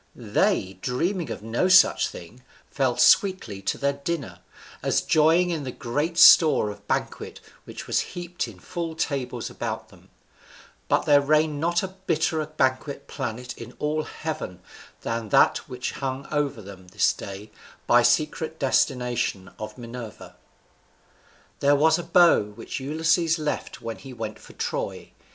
They, dreaming of no such thing, fell sweetly to their dinner, as joying in the great store of banquet which was heaped in full tables about them; but there reigned not a bitterer banquet planet in all heaven than that which hung over them this day by secret destination of Minerva. There was a bow which Ulysses left when he went for Troy.